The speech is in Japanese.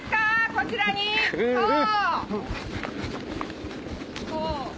こちらにそう。